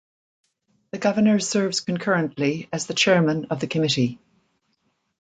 The Governor serves concurrently as the Chairman of the Committee.